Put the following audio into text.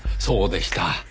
そうでした。